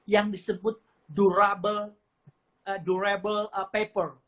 yang disebut durable paper